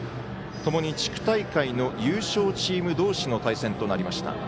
ともに地区大会の優勝チームどうしの対戦となりました。